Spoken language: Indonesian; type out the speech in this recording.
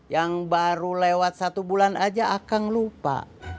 yang baru lewat satu bulan aja akang lupa